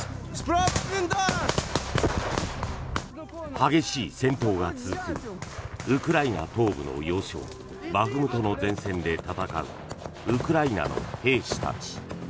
激しい戦闘が続くウクライナ東部の要衝バフムトの前線で戦うウクライナの兵士たち。